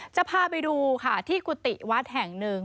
จะพาไปดูค่ะที่กุฏิวัดแห่งหนึ่ง